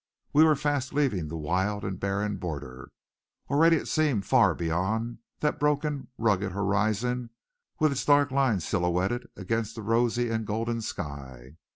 We were fast leaving the wild and barren border. Already it seemed far beyond that broken rugged horizon with its dark line silhouetted against the rosy and golden sky.